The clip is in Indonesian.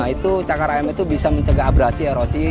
itu cakar ayam itu bisa mencegah abrasi erosi